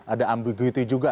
ada ambiguity juga